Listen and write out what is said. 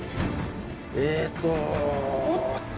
えっと。